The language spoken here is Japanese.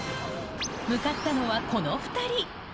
向かったのはこの２人。